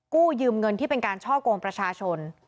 กู้ยืมเงินที่เป็นการช่อกงประชาชน